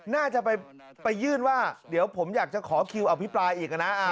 น่าจะไปยื่นว่าเดี๋ยวผมอยากจะขอคิวอภิปรายอีกนะ